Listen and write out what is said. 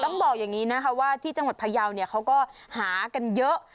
ต้องบอกอย่างนี้นะคะว่าที่จังหวัดพยาวเนี่ยเขาก็หากันเยอะ